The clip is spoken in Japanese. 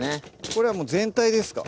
これは全体ですか？